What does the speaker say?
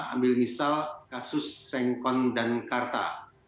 ambil misal kasus sengkon dan karta